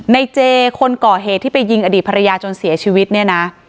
เจคนก่อเหตุที่ไปยิงอดีตภรรยาจนเสียชีวิตเนี่ยนะ